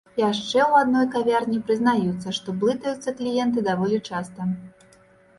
Яшчэ ў адной кавярні прызнаюцца, што блытаюцца кліенты даволі часта.